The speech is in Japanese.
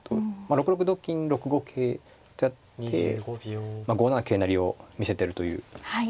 ６六同金６五桂とやって５七桂成を見せてるという主張もありますね。